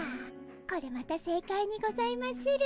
これまた正解にございまする。